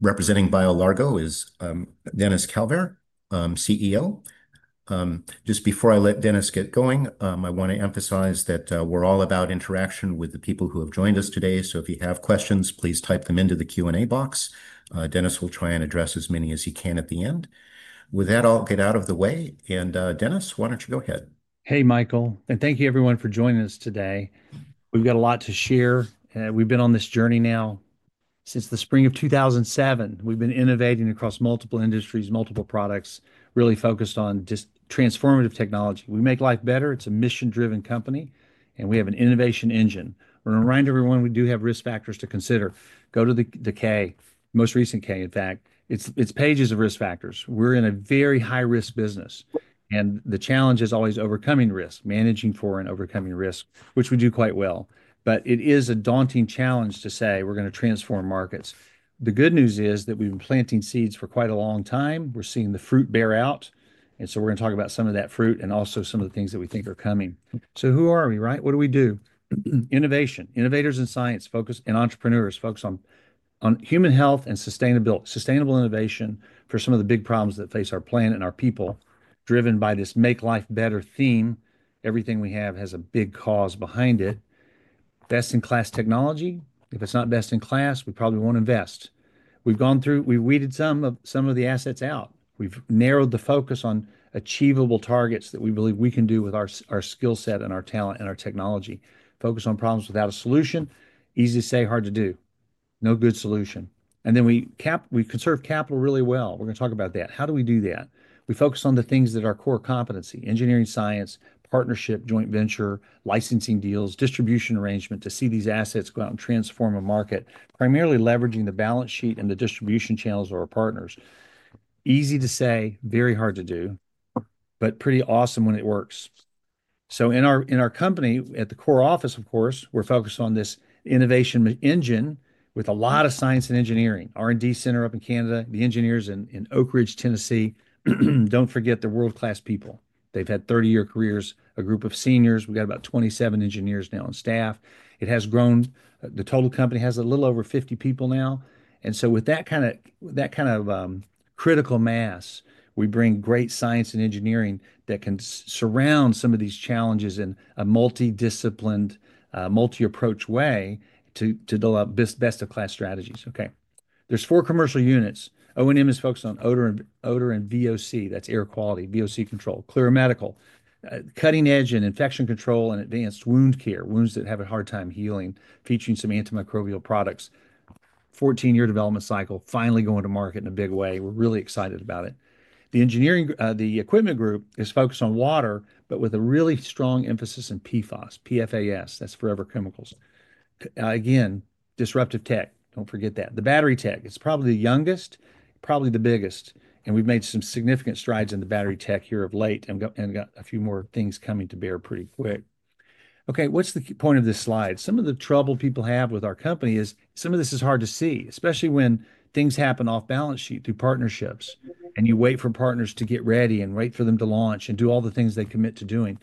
Representing BioLargo is Dennis Calvert, CEO. Just before I let Dennis get going, I want to emphasize that we're all about interaction with the people who have joined us today. If you have questions, please type them into the Q&A box. Dennis will try and address as many as he can at the end. With that, I'll get out of the way. Dennis, why don't you go ahead? Hey, Michael, and thank you, everyone, for joining us today. We've got a lot to share. We've been on this journey now since the spring of 2007. We've been innovating across multiple industries, multiple products, really focused on just transformative technology. We make life better. It's a mission-driven company, and we have an innovation engine. We're going to remind everyone we do have risk factors to consider. Go to the K, most recent K, in fact. It's pages of risk factors. We're in a very high-risk business, and the challenge is always overcoming risk, managing for and overcoming risk, which we do quite well. It is a daunting challenge to say we're going to transform markets. The good news is that we've been planting seeds for quite a long time. We're seeing the fruit bear out. We're going to talk about some of that fruit and also some of the things that we think are coming. Who are we, right? What do we do? Innovation. Innovators in science focus and entrepreneurs focus on human health and sustainable innovation for some of the big problems that face our planet and our people, driven by this make life better theme. Everything we have has a big cause behind it. Best-in-class technology. If it's not best-in-class, we probably won't invest. We've gone through, we've weeded some of the assets out. We've narrowed the focus on achievable targets that we believe we can do with our skill set and our talent and our technology. Focus on problems without a solution. Easy to say, hard to do. No good solution. We conserved capital really well. We're going to talk about that. How do we do that? We focus on the things that are core competency: engineering, science, partnership, joint venture, licensing deals, distribution arrangement to see these assets go out and transform a market, primarily leveraging the balance sheet and the distribution channels of our partners. Easy to say, very hard to do, but pretty awesome when it works. In our company, at the core office, of course, we're focused on this innovation engine with a lot of science and engineering. R&D center up in Canada, the engineers in Oak Ridge, Tennessee. Don't forget the world-class people. They've had 30-year careers, a group of seniors. We've got about 27 engineers now on staff. It has grown. The total company has a little over 50 people now. With that kind of critical mass, we bring great science and engineering that can surround some of these challenges in a multidisciplined, multi-approach way to develop best-of-class strategies. Okay. There are four commercial units. O&M is focused on odor and VOC. That is air quality, VOC control. Clyra Medical, cutting edge in infection control and advanced wound care, wounds that have a hard time healing, featuring some antimicrobial products. Fourteen-year development cycle, finally going to market in a big way. We are really excited about it. The engineering, the equipment group is focused on water, but with a really strong emphasis in PFAS, P-F-A-S. That is forever chemicals. Again, disruptive tech. Do not forget that. The battery tech, it is probably the youngest, probably the biggest. We have made some significant strides in the battery tech here of late and got a few more things coming to bear pretty quick. Okay, what's the point of this slide? Some of the trouble people have with our company is some of this is hard to see, especially when things happen off balance sheet through partnerships, and you wait for partners to get ready and wait for them to launch and do all the things they commit to doing.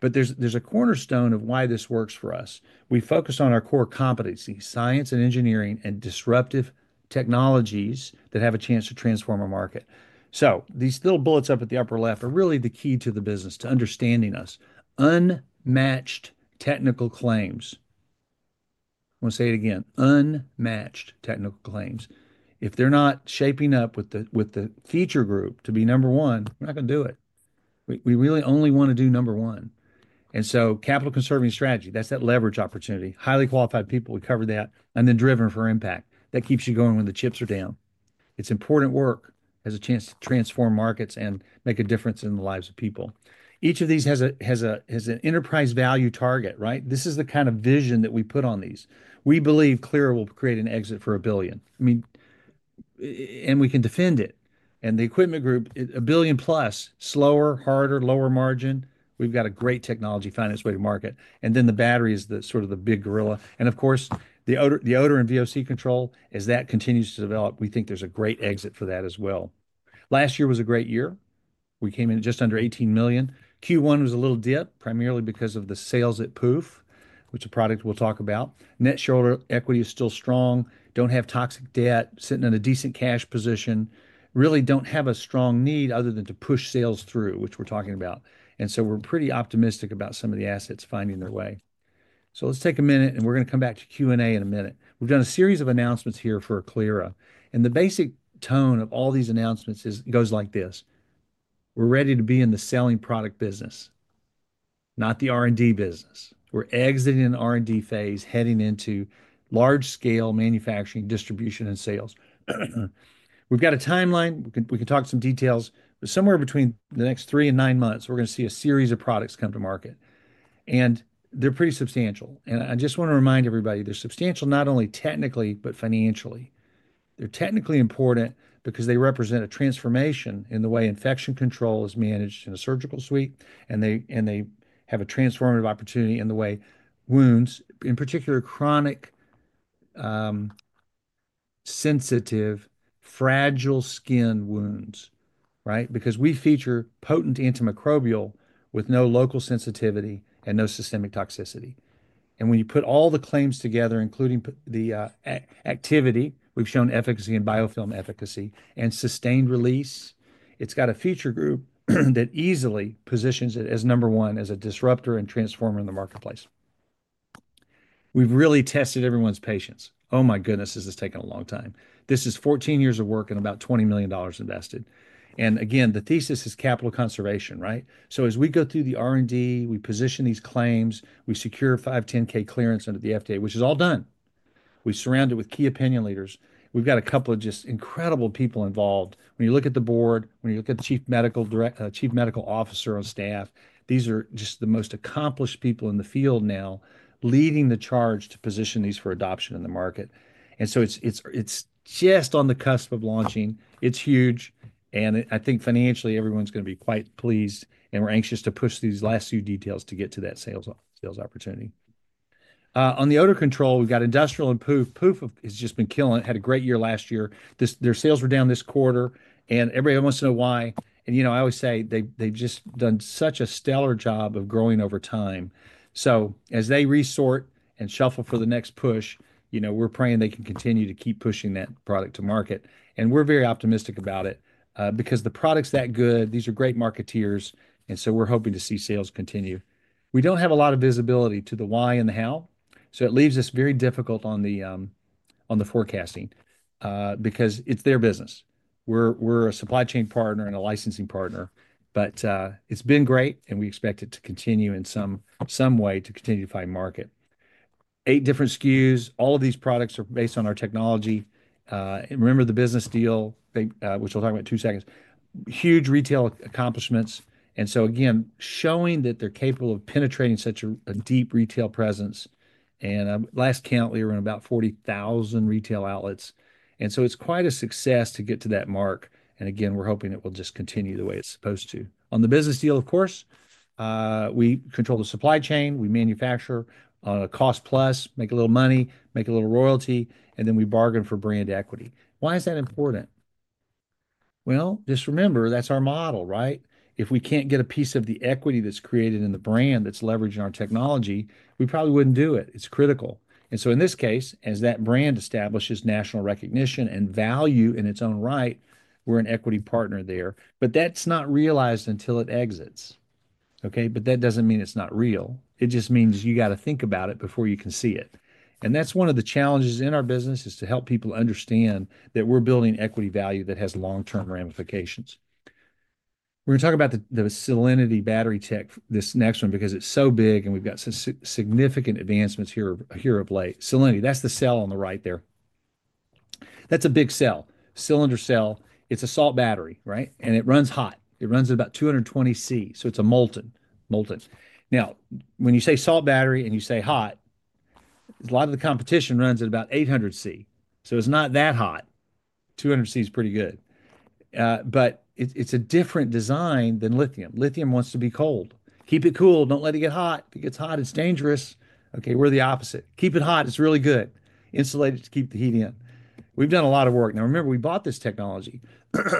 There's a cornerstone of why this works for us. We focus on our core competency, science and engineering, and disruptive technologies that have a chance to transform a market. These little bullets up at the upper left are really the key to the business, to understanding us. Unmatched technical claims. I'm going to say it again. Unmatched technical claims. If they're not shaping up with the feature group to be number one, we're not going to do it. We really only want to do number one. Capital-conserving strategy, that's that leverage opportunity. Highly qualified people, we cover that. Driven for impact. That keeps you going when the chips are down. It's important work, has a chance to transform markets and make a difference in the lives of people. Each of these has an enterprise value target, right? This is the kind of vision that we put on these. We believe Clyra will create an exit for a billion. I mean, and we can defend it. The equipment group, a billion plus, slower, harder, lower margin. We've got a great technology finding its way to market. The battery is the sort of the big gorilla. Of course, the odor and VOC control, as that continues to develop, we think there's a great exit for that as well. Last year was a great year. We came in just under $18 million. Q1 was a little dip, primarily because of the sales at Pooph, which is a product we'll talk about. Net shareholder equity is still strong. Don't have toxic debt, sitting in a decent cash position. Really don't have a strong need other than to push sales through, which we're talking about. We're pretty optimistic about some of the assets finding their way. Let's take a minute, and we're going to come back to Q&A in a minute. We've done a series of announcements here for Clyra. The basic tone of all these announcements goes like this. We're ready to be in the selling product business, not the R&D business. We're exiting an R&D phase, heading into large-scale manufacturing, distribution, and sales. We've got a timeline. We can talk some details. Somewhere between the next three and nine months, we're going to see a series of products come to market. They're pretty substantial. I just want to remind everybody, they're substantial not only technically, but financially. They're technically important because they represent a transformation in the way infection control is managed in a surgical suite, and they have a transformative opportunity in the way wounds, in particular, chronic sensitive, fragile skin wounds, right? Because we feature potent antimicrobial with no local sensitivity and no systemic toxicity. When you put all the claims together, including the activity, we've shown efficacy in biofilm efficacy and sustained release. It's got a feature group that easily positions it as number one as a disruptor and transformer in the marketplace. We've really tested everyone's patience. Oh my goodness, this has taken a long time. This is 14 years of work and about $20 million invested. Again, the thesis is capital conservation, right? As we go through the R&D, we position these claims, we secure 510(k) clearance under the FDA, which is all done. We surround it with key opinion leaders. We've got a couple of just incredible people involved. When you look at the board, when you look at the Chief Medical Director, Chief Medical Officer on staff, these are just the most accomplished people in the field now leading the charge to position these for adoption in the market. It is just on the cusp of launching. It's huge. I think financially, everyone's going to be quite pleased. We're anxious to push these last few details to get to that sales opportunity. On the odor control, we've got industrial and Pooph. Pooph has just been killing. It had a great year last year. Their sales were down this quarter. Everybody wants to know why. You know, I always say they've just done such a stellar job of growing over time. As they resort and shuffle for the next push, you know, we're praying they can continue to keep pushing that product to market. We're very optimistic about it because the product's that good. These are great marketeers. We're hoping to see sales continue. We don't have a lot of visibility to the why and the how. It leaves us very difficult on the forecasting because it's their business. We're a supply chain partner and a licensing partner. It's been great, and we expect it to continue in some way to continue to find market. Eight different SKUs. All of these products are based on our technology. Remember the business deal, which we'll talk about in two seconds. Huge retail accomplishments. Again, showing that they're capable of penetrating such a deep retail presence. At last count, we were in about 40,000 retail outlets. It's quite a success to get to that mark. Again, we're hoping it will just continue the way it's supposed to. On the business deal, of course, we control the supply chain. We manufacture on a cost plus, make a little money, make a little royalty, and then we bargain for brand equity. Why is that important? Just remember, that's our model, right? If we can't get a piece of the equity that's created in the brand that's leveraging our technology, we probably wouldn't do it. It's critical. In this case, as that brand establishes national recognition and value in its own right, we're an equity partner there. That is not realized until it exits. Okay? That does not mean it is not real. It just means you have to think about it before you can see it. One of the challenges in our business is to help people understand that we're building equity value that has long-term ramifications. We're going to talk about the Cellinity battery tech, this next one, because it is so big and we've got some significant advancements here of late. Cellinity, that is the cell on the right there. That is a big cell, cylinder cell. It is a salt battery, right? It runs hot. It runs at about 220 degrees Celsius. It is a molten, molten. Now, when you say salt battery and you say hot, a lot of the competition runs at about 800 degrees Celsius. So it's not that hot. 200 degrees Celsius is pretty good. But it's a different design than lithium. Lithium wants to be cold. Keep it cool. Don't let it get hot. If it gets hot, it's dangerous. Okay, we're the opposite. Keep it hot. It's really good. Insulate it to keep the heat in. We've done a lot of work. Now, remember, we bought this technology.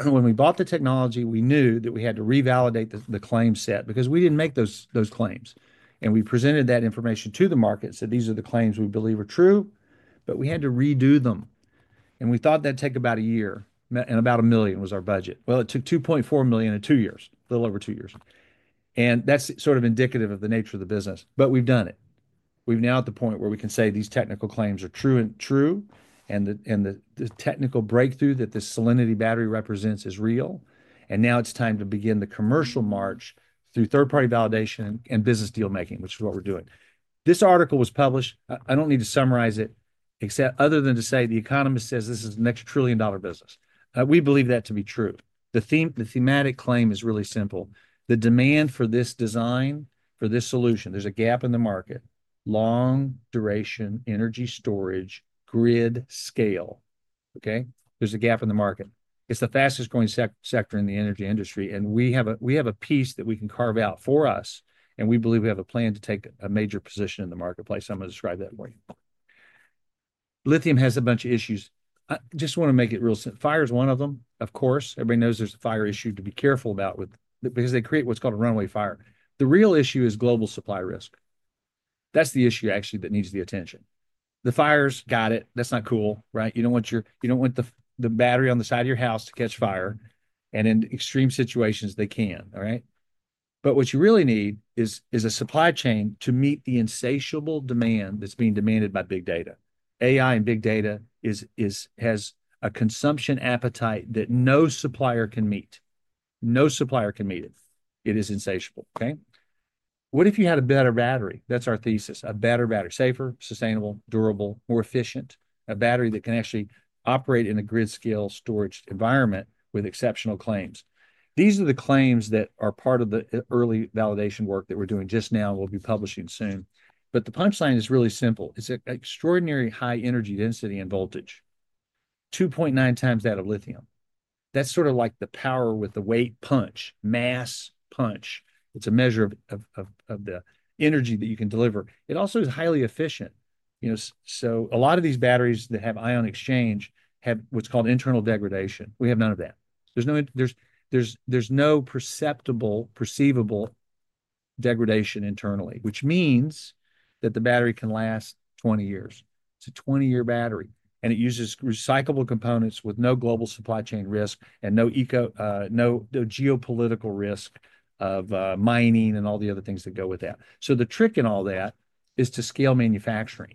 When we bought the technology, we knew that we had to revalidate the claim set because we didn't make those claims. And we presented that information to the market and said, "These are the claims we believe are true." But we had to redo them. And we thought that'd take about a year. And about $1 million was our budget. It took $2.4 million in two years, a little over two years. That is sort of indicative of the nature of the business. We have done it. We are now at the point where we can say these technical claims are true and true. The technical breakthrough that the Cellinity battery represents is real. Now it is time to begin the commercial march through third-party validation and business deal-making, which is what we are doing. This article was published. I do not need to summarize it except other than to say the economist says this is the next trillion-dollar business. We believe that to be true. The thematic claim is really simple. The demand for this design, for this solution, there is a gap in the market, long-duration energy storage grid scale. There is a gap in the market. It is the fastest-growing sector in the energy industry. We have a piece that we can carve out for us. We believe we have a plan to take a major position in the marketplace. I'm going to describe that for you. Lithium has a bunch of issues. Just want to make it real simple. Fire is one of them, of course. Everybody knows there's a fire issue to be careful about because they create what's called a runway fire. The real issue is global supply risk. That's the issue actually that needs the attention. The fires, got it. That's not cool, right? You don't want your, you don't want the battery on the side of your house to catch fire. In extreme situations, they can, all right? What you really need is a supply chain to meet the insatiable demand that's being demanded by big data. AI and big data has a consumption appetite that no supplier can meet. No supplier can meet it. It is insatiable. Okay? What if you had a better battery? That's our thesis. A better battery, safer, sustainable, durable, more efficient. A battery that can actually operate in a grid-scale storage environment with exceptional claims. These are the claims that are part of the early validation work that we're doing just now and we'll be publishing soon. The punchline is really simple. It's an extraordinary high energy density and voltage, 2.9x that of lithium. That's sort of like the power with the weight punch, mass punch. It's a measure of the energy that you can deliver. It also is highly efficient. You know, so a lot of these batteries that have ion exchange have what's called internal degradation. We have none of that. There's no perceptible, perceivable degradation internally, which means that the battery can last 20 years. It's a 20-year battery. It uses recyclable components with no global supply chain risk and no geopolitical risk of mining and all the other things that go with that. The trick in all that is to scale manufacturing.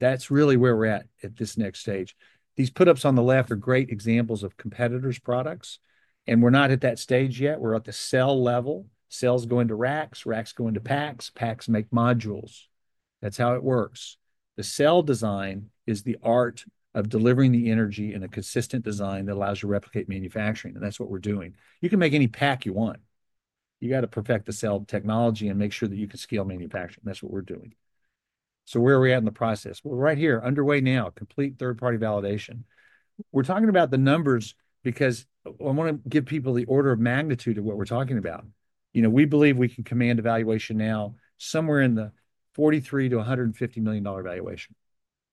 That's really where we're at at this next stage. These put-ups on the left are great examples of competitors' products. We're not at that stage yet. We're at the cell level. Cells go into racks, racks go into packs. Packs make modules. That's how it works. The cell design is the art of delivering the energy in a consistent design that allows you to replicate manufacturing. That's what we're doing. You can make any pack you want. You got to perfect the cell technology and make sure that you can scale manufacturing. That's what we're doing. Where are we at in the process? Right here, underway now, complete third-party validation. We're talking about the numbers because I want to give people the order of magnitude of what we're talking about. You know, we believe we can command a valuation now somewhere in the $43 million-$150 million valuation.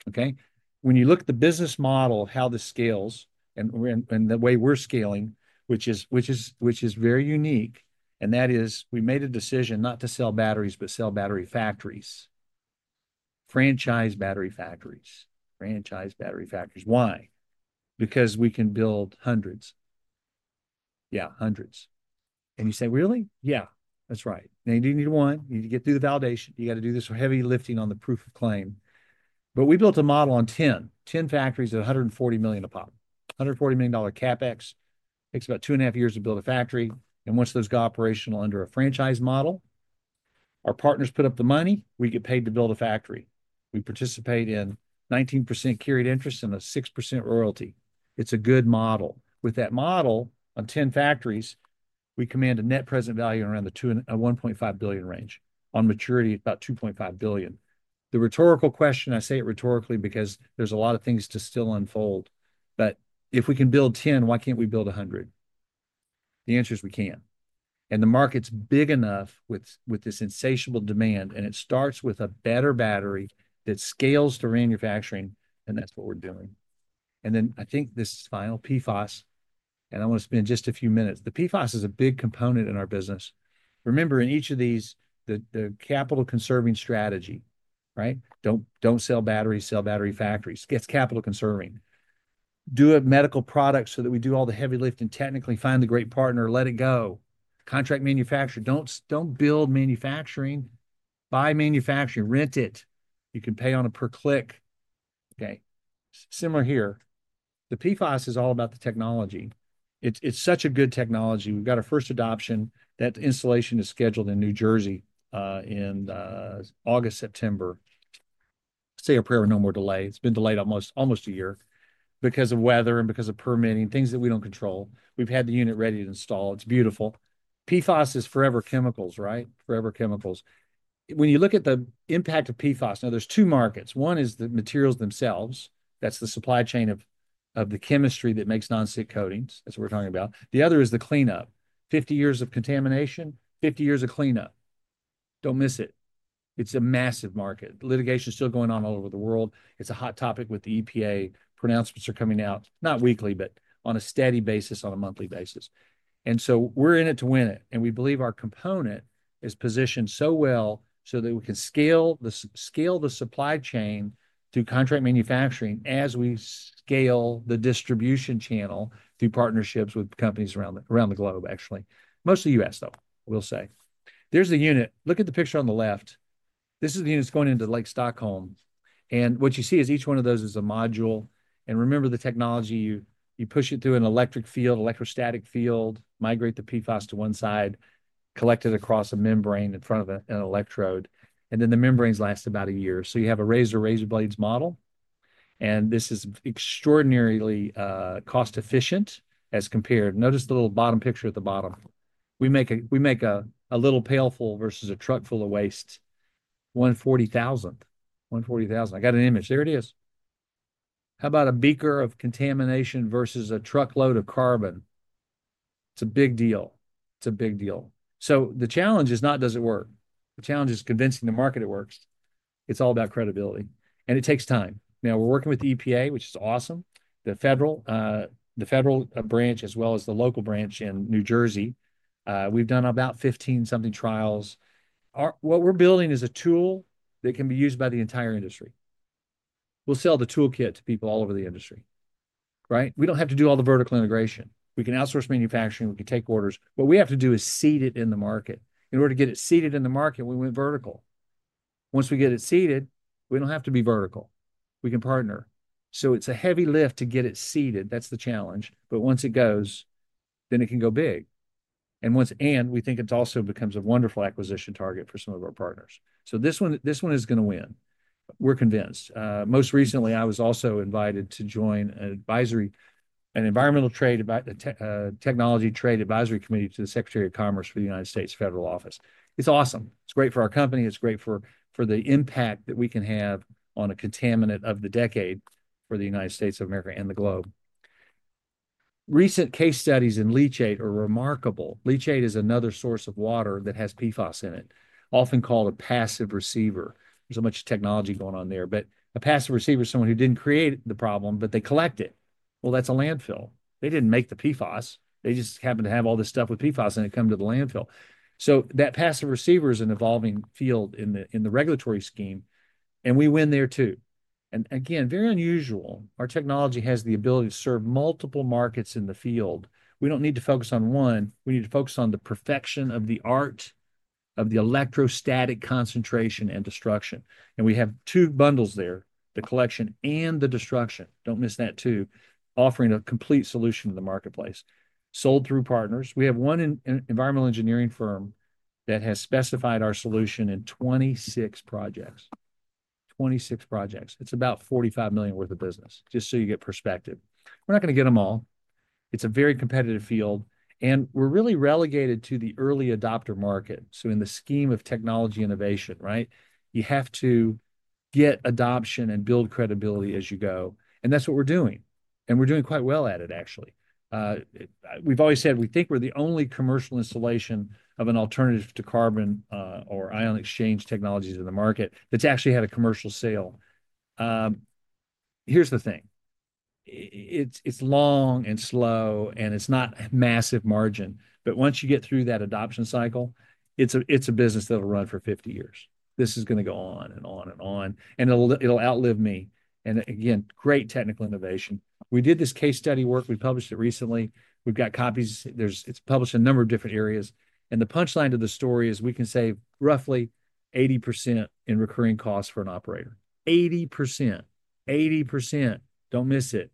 Okay? When you look at the business model of how this scales and the way we're scaling, which is very unique, and that is we made a decision not to sell batteries, but sell battery factories, franchise battery factories, franchise battery factories. Why? Because we can build hundreds. Yeah, hundreds. You say, "Really?" Yeah, that's right. You do need one. You need to get through the validation. You got to do this heavy lifting on the proof of claim. We built a model on 10 factories at $140 million a pop, $140 million CapEx. It takes about two and a half years to build a factory. Once those go operational under a franchise model, our partners put up the money. We get paid to build a factory. We participate in 19% carried interest and a 6% royalty. It's a good model. With that model on 10 factories, we command a net present value around the $1.5 billion range. On maturity, about $2.5 billion. The rhetorical question, I say it rhetorically because there's a lot of things to still unfold. If we can build 10, why can't we build 100? The answer is we can. The market's big enough with this insatiable demand. It starts with a better battery that scales to manufacturing. That's what we're doing. I think this final PFAS, and I want to spend just a few minutes. The PFAS is a big component in our business. Remember, in each of these, the capital-conserving strategy, right? Don't sell batteries, sell battery factories. It's capital-conserving. Do a medical product so that we do all the heavy lifting technically, find the great partner, let it go. Contract manufacturer. Don't build manufacturing. Buy manufacturing. Rent it. You can pay on a per-click. Okay? Similar here. The PFAS is all about the technology. It's such a good technology. We've got our first adoption. That installation is scheduled in New Jersey in August, September. Say a prayer with no more delay. It's been delayed almost a year because of weather and because of permitting, things that we don't control. We've had the unit ready to install. It's beautiful. PFAS is forever chemicals, right? Forever chemicals. When you look at the impact of PFAS, now there's two markets. One is the materials themselves. That's the supply chain of the chemistry that makes non-stick coatings. That's what we're talking about. The other is the cleanup. Fifty years of contamination, fifty years of cleanup. Don't miss it. It's a massive market. Litigation is still going on all over the world. It's a hot topic with the EPA. Pronouncements are coming out, not weekly, but on a steady basis, on a monthly basis. We are in it to win it. We believe our component is positioned so well so that we can scale the supply chain through contract manufacturing as we scale the distribution channel through partnerships with companies around the globe, actually. Mostly U.S., though, we'll say. There's the unit. Look at the picture on the left. This is the unit that's going into Lake Stockholm. What you see is each one of those is a module. Remember the technology. You push it through an electric field, electrostatic field, migrate the PFAS to one side, collect it across a membrane in front of an electrode. The membranes last about a year. You have a razor-razor blades model. This is extraordinarily cost-efficient as compared. Notice the little picture at the bottom. We make a little pailful versus a truck full of waste, 140,000. 140,000. I got an image. There it is. How about a beaker of contamination versus a truckload of carbon? It's a big deal. It's a big deal. The challenge is not, does it work? The challenge is convincing the market it works. It's all about credibility. It takes time. Now, we're working with the EPA, which is awesome. The federal branch, as well as the local branch in New Jersey, we've done about 15-something trials. What we're building is a tool that can be used by the entire industry. We'll sell the toolkit to people all over the industry, right? We don't have to do all the vertical integration. We can outsource manufacturing. We can take orders. What we have to do is seed it in the market. In order to get it seeded in the market, we went vertical. Once we get it seeded, we don't have to be vertical. We can partner. It is a heavy lift to get it seeded. That's the challenge. Once it goes, then it can go big. We think it also becomes a wonderful acquisition target for some of our partners. This one is going to win. We're convinced. Most recently, I was also invited to join an environmental trade technology trade advisory committee to the Secretary of Commerce for the U.S. Federal Office. It's awesome. It's great for our company. It's great for the impact that we can have on a contaminant of the decade for the United States of America and the globe. Recent case studies in leachate are remarkable. Leachate is another source of water that has PFAS in it, often called a passive receiver. There's a bunch of technology going on there. A passive receiver is someone who didn't create the problem, but they collect it. That is a landfill. They didn't make the PFAS. They just happen to have all this stuff with PFAS in it, come to the landfill. That passive receiver is an evolving field in the regulatory scheme. We win there too. Again, very unusual. Our technology has the ability to serve multiple markets in the field. We don't need to focus on one. We need to focus on the perfection of the art of the electrostatic concentration and destruction. We have two bundles there, the collection and the destruction. Don't miss that too, offering a complete solution to the marketplace. Sold through partners. We have one environmental engineering firm that has specified our solution in 26 projects. 26 projects. It's about $45 million worth of business, just so you get perspective. We're not going to get them all. It's a very competitive field. We're really relegated to the early adopter market. In the scheme of technology innovation, right, you have to get adoption and build credibility as you go. That's what we're doing. We're doing quite well at it, actually. We've always said we think we're the only commercial installation of an alternative to carbon or ion exchange technologies in the market that's actually had a commercial sale. Here's the thing. It's long and slow, and it's not massive margin. Once you get through that adoption cycle, it's a business that'll run for 50 years. This is going to go on and on and on. It'll outlive me. Again, great technical innovation. We did this case study work. We published it recently. We've got copies. It's published in a number of different areas. The punchline to the story is we can save roughly 80% in recurring costs for an operator. 80%. 80%. Don't miss it.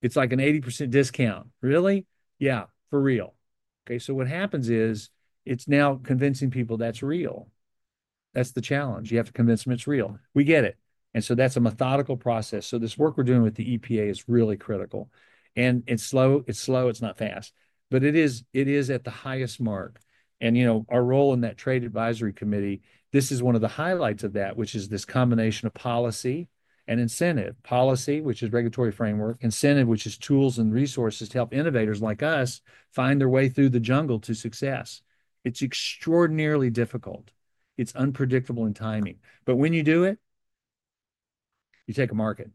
It's like an 80% discount. Really? Yeah, for real. What happens is it's now convincing people that's real. That's the challenge. You have to convince them it's real. We get it. And so that's a methodical process. This work we're doing with the EPA is really critical. It's slow. It's not fast. It is at the highest mark. You know our role in that trade advisory committee, this is one of the highlights of that, which is this combination of policy and incentive. Policy, which is regulatory framework. Incentive, which is tools and resources to help innovators like us find their way through the jungle to success. It's extraordinarily difficult. It's unpredictable in timing. When you do it, you take a market.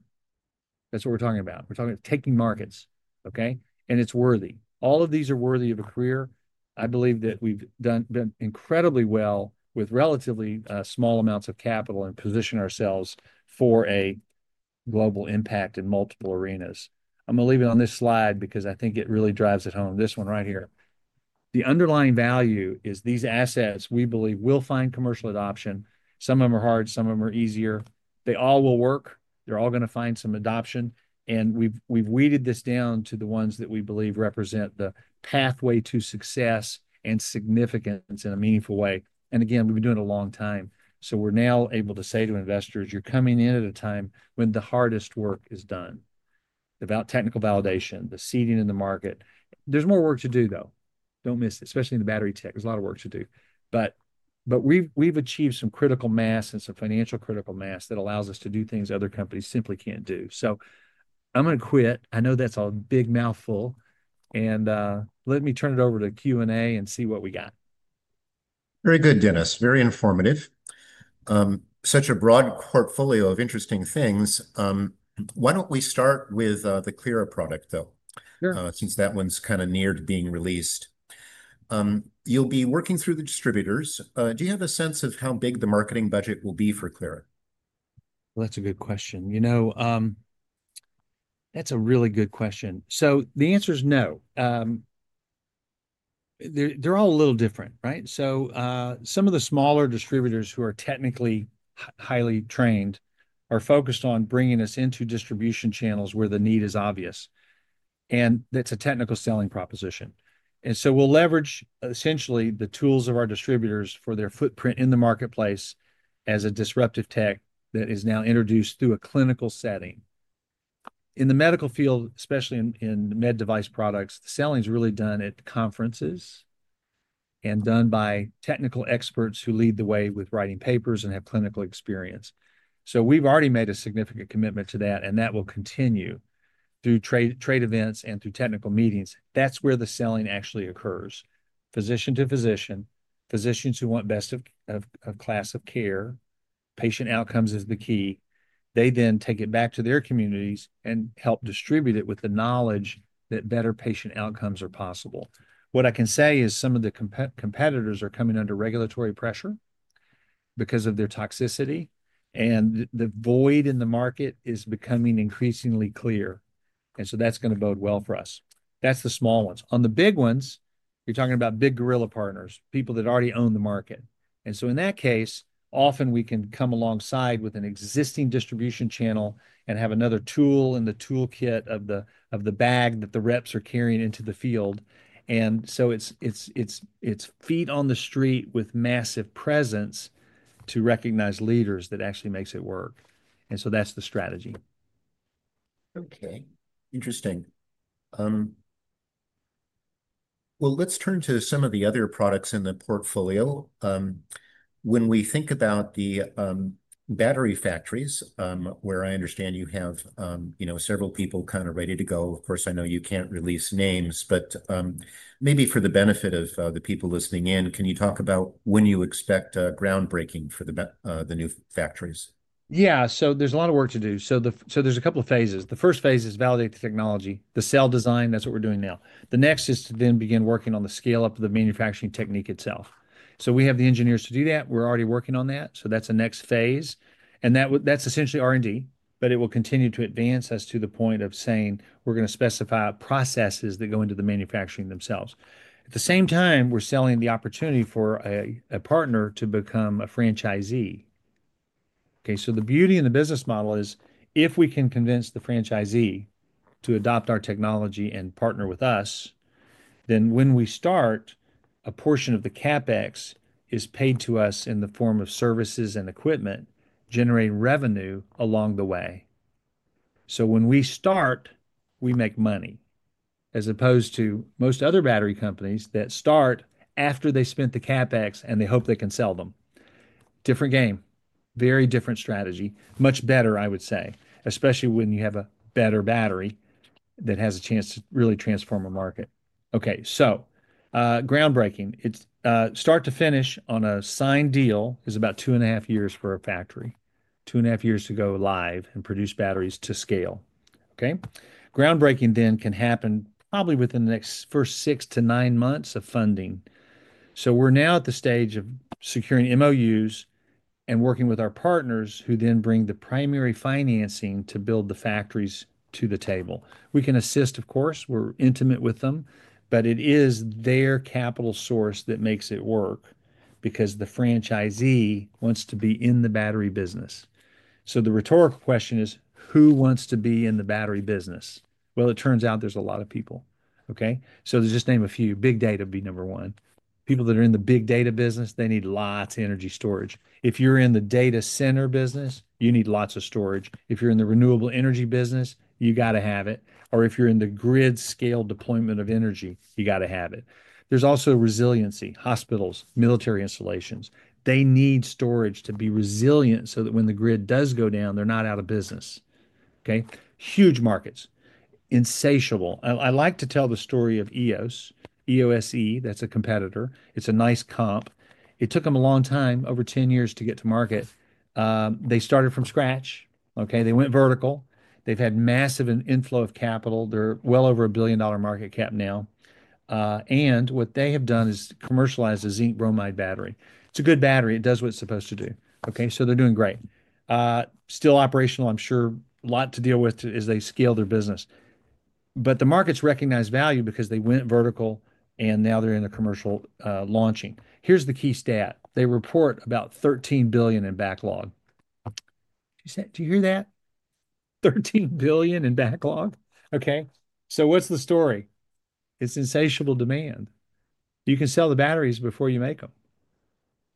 That's what we're talking about. We're talking about taking markets, okay? It's worthy. All of these are worthy of a career. I believe that we've done been incredibly well with relatively small amounts of capital and positioned ourselves for a global impact in multiple arenas. I'm going to leave it on this slide because I think it really drives it home. This one right here. The underlying value is these assets we believe will find commercial adoption. Some of them are hard. Some of them are easier. They all will work. They're all going to find some adoption. We've weeded this down to the ones that we believe represent the pathway to success and significance in a meaningful way. Again, we've been doing it a long time. We're now able to say to investors, "You're coming in at a time when the hardest work is done." The technical validation, the seeding in the market. There's more work to do, though. Don't miss it, especially in the battery tech. There's a lot of work to do. We've achieved some critical mass and some financial critical mass that allows us to do things other companies simply can't do. I'm going to quit. I know that's a big mouthful. Let me turn it over to Q&A and see what we got. Very good, Dennis. Very informative. Such a broad portfolio of interesting things. Why don't we start with the Clyra product, though, since that one's kind of near to being released? You'll be working through the distributors. Do you have a sense of how big the marketing budget will be for Clyra? That's a good question. That's a really good question. The answer is no. They're all a little different, right? Some of the smaller distributors who are technically highly trained are focused on bringing us into distribution channels where the need is obvious. That's a technical selling proposition. We will leverage essentially the tools of our distributors for their footprint in the marketplace as a disruptive tech that is now introduced through a clinical setting. In the medical field, especially in med device products, the selling is really done at conferences and done by technical experts who lead the way with writing papers and have clinical experience. We have already made a significant commitment to that, and that will continue through trade events and through technical meetings. That is where the selling actually occurs. Physician to physician, physicians who want best of class of care, patient outcomes is the key. They then take it back to their communities and help distribute it with the knowledge that better patient outcomes are possible. What I can say is some of the competitors are coming under regulatory pressure because of their toxicity. The void in the market is becoming increasingly clear. That's going to bode well for us. That's the small ones. On the big ones, you're talking about big guerrilla partners, people that already own the market. In that case, often we can come alongside with an existing distribution channel and have another tool in the toolkit of the bag that the reps are carrying into the field. It's feet on the street with massive presence to recognize leaders that actually makes it work. That's the strategy. Okay. Interesting. Let's turn to some of the other products in the portfolio. When we think about the battery factories, where I understand you have several people kind of ready to go. Of course, I know you can't release names, but maybe for the benefit of the people listening in, can you talk about when you expect groundbreaking for the new factories? Yeah. There's a lot of work to do. There's a couple of phases. The first phase is validate the technology, the cell design. That's what we're doing now. The next is to then begin working on the scale-up of the manufacturing technique itself. We have the engineers to do that. We're already working on that. That's a next phase. That's essentially R&D, but it will continue to advance us to the point of saying we're going to specify processes that go into the manufacturing themselves. At the same time, we're selling the opportunity for a partner to become a franchisee. Okay. The beauty in the business model is if we can convince the franchisee to adopt our technology and partner with us, then when we start, a portion of the CapEx is paid to us in the form of services and equipment, generating revenue along the way. When we start, we make money, as opposed to most other battery companies that start after they spent the CapEx and they hope they can sell them. Different game. Very different strategy. Much better, I would say, especially when you have a better battery that has a chance to really transform a market. Okay. Groundbreaking. Start to finish on a signed deal is about two and a half years for a factory. Two and a half years to go live and produce batteries to scale. Okay. Groundbreaking then can happen probably within the next first six to nine months of funding. We're now at the stage of securing MOUs and working with our partners who then bring the primary financing to build the factories to the table. We can assist, of course. We're intimate with them. It is their capital source that makes it work because the franchisee wants to be in the battery business. The rhetorical question is, who wants to be in the battery business? It turns out there's a lot of people. To just name a few, big data would be number one. People that are in the big data business, they need lots of energy storage. If you're in the data center business, you need lots of storage. If you're in the renewable energy business, you got to have it. If you're in the grid-scale deployment of energy, you got to have it. There's also resiliency. Hospitals, military installations. They need storage to be resilient so that when the grid does go down, they're not out of business. Okay. Huge markets. Insatiable. I like to tell the story of Eos. EOSE, that's a competitor. It's a nice comp. It took them a long time, over 10 years, to get to market. They started from scratch. Okay. They went vertical. They've had massive inflow of capital. They're well over a $1 billion market cap now. And what they have done is commercialize a zinc bromide battery. It's a good battery. It does what it's supposed to do. Okay. So they're doing great. Still operational. I'm sure a lot to deal with as they scale their business. The markets recognize value because they went vertical, and now they're in a commercial launching. Here's the key stat. They report about $13 billion in backlog. Did you hear that? $13 billion in backlog. Okay. So what's the story? It's insatiable demand. You can sell the batteries before you make them.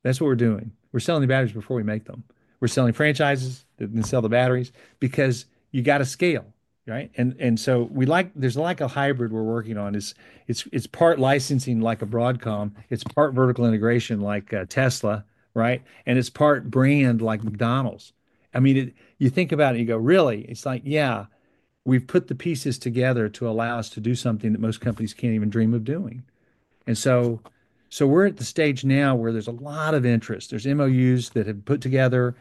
That's what we're doing. We're selling the batteries before we make them. We're selling franchises that can sell the batteries because you got to scale, right? And so there's like a hybrid we're working on. It's part licensing like a Broadcom. It's part vertical integration like Tesla, right? And it's part brand like McDonald's. I mean, you think about it, you go, "Really?" It's like, "Yeah." We've put the pieces together to allow us to do something that most companies can't even dream of doing. And so we're at the stage now where there's a lot of interest. There's MOUs that have been put together,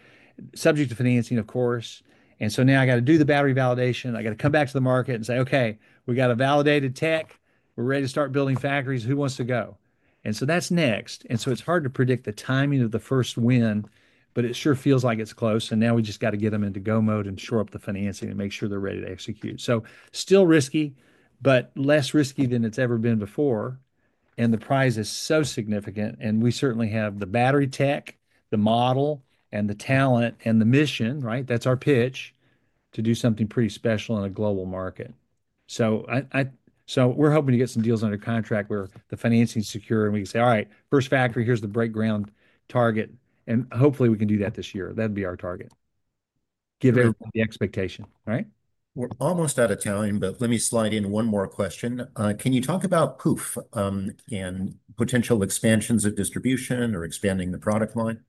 subject to financing, of course. And so now I got to do the battery validation. I got to come back to the market and say, "Okay. We got a validated tech. We're ready to start building factories. Who wants to go? That's next. It's hard to predict the timing of the first win, but it sure feels like it's close. We just got to get them into go mode and shore up the financing and make sure they're ready to execute. Still risky, but less risky than it's ever been before. The prize is so significant. We certainly have the battery tech, the model, the talent, and the mission, right? That's our pitch to do something pretty special in a global market. We're hoping to get some deals under contract where the financing is secure and we can say, "All right, first factory, here's the break ground target." Hopefully we can do that this year. That'd be our target. Give everybody the expectation, right? We're almost out of time, but let me slide in one more question. Can you talk about Pooph and potential expansions of distribution or expanding the product line?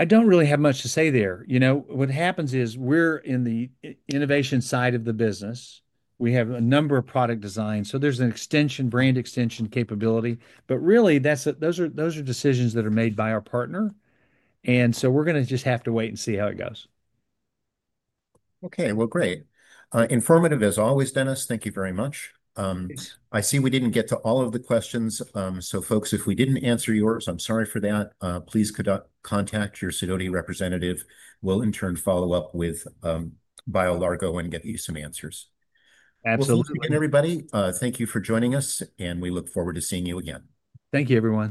I don't really have much to say there. You know, what happens is we're in the innovation side of the business. We have a number of product designs. So there's an extension, brand extension capability. But really, those are decisions that are made by our partner. And so we're going to just have to wait and see how it goes. Okay. Great. Informative as always, Dennis. Thank you very much. I see we didn't get to all of the questions. Folks, if we didn't answer yours, I'm sorry for that. Please contact your representative. We'll in turn follow up with BioLargo and get you some answers. Absolutely. Thank you for joining us, and we look forward to seeing you again. Thank you, everyone.